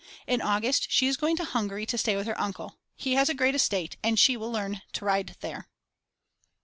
In August she is going to Hungary to stay with her uncle, he has a great estate and she will learn to ride there.